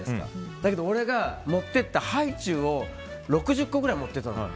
だけど俺が持って行ったハイチュウを６０個ぐらいもって行ったの。